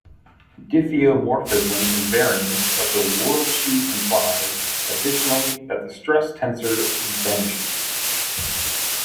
Diffeomorphism invariance of the worldsheet implies additionally that the stress tensor vanishes.